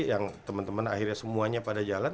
yang temen temen akhirnya semuanya pada jalan